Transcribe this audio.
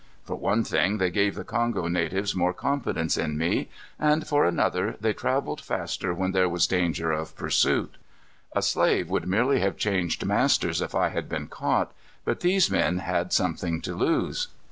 For one thing, they gave the Kongo natives more confidence in me, and for another, they traveled faster when there was danger of pursuit. A slave would merely have changed masters if I had been caught, but these men had something to lose.